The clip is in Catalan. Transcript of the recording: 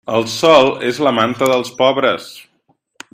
El sol és la manta dels pobres.